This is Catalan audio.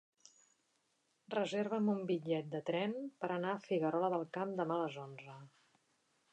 Reserva'm un bitllet de tren per anar a Figuerola del Camp demà a les onze.